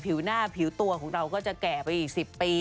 ผิวหน้าผิวตัวของเราก็จะแก่ไปอีก๑๐ปี